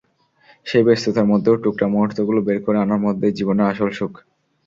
সেই ব্যস্ততার মধ্যেও টুকরা মুহূর্তগুলো বের করে আনার মধ্যেই জীবনের আসল সুখ।